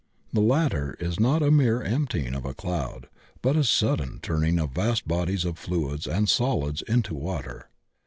The latter is not a mere emptying of a cloud, but a sudden turning of vast bodies of fluids and solids into water.